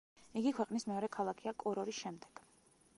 იგი ქვეყნის მეორე ქალაქია კორორის შემდეგ.